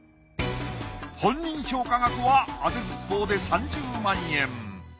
本人評価額はあてずっぽうで３０万円。